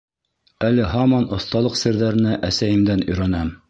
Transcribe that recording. Әле һаман оҫталыҡ серҙәренә әсәйемдән өйрәнәм.